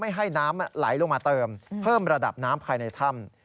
ให้น้ำไหลลงมาเติมเพิ่มระดับน้ำภายในถ้ำ